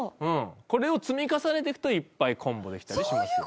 これを積み重ねていくといっぱいコンボできたりしますよ。